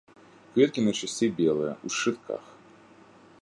Кветкі найчасцей белыя, у шчытках.